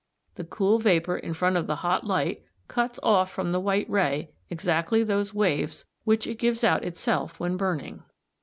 _The cool vapour in front of the hot light cuts off from the white ray exactly those waves which it gives out itself when burning.